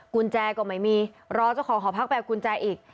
กุญแจก็ไม่มีรอเจ้าของหอพักไปเอากุญแจอีก